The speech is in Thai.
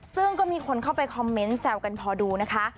ซึ่งก็มีคนเข้าไปคอมเมนต์แซวกันพอดูนะคะ